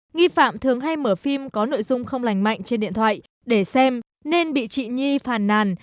nghi phạm thường hay mở phim có nội dung không lành mạnh trên điện thoại để xem nên bị chị nhi phàn nàn